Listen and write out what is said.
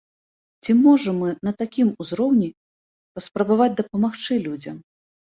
Ці можам мы на такім узроўні паспрабаваць дапамагчы людзям?